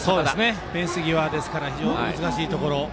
フェンス際ですから非常に難しいところ。